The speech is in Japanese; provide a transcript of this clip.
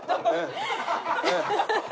ハハハハ！